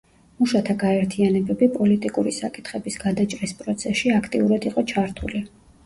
მუშათა გაერთიანებები პოლიტიკური საკითხების გადაჭრის პროცესში აქტიურად იყო ჩართული.